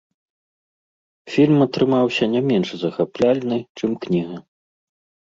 Фільм атрымаўся не менш захапляльны, чым кніга.